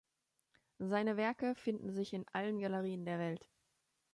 Seine Werke finden sich in allen Galerien der Welt.